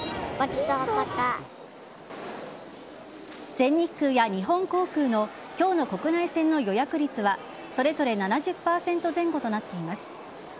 全日空や日本航空の今日の国内線の予約率はそれぞれ７０％前後となっています。